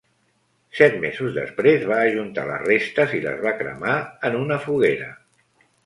Set mesos després, va ajuntar les restes i les va cremar en una foguera.